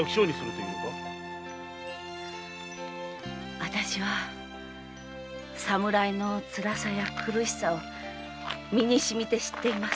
あたしは侍の辛さ苦しさを身にしみて知っています。